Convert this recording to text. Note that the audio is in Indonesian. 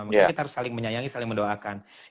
mungkin kita harus saling menyayangi saling mendoakan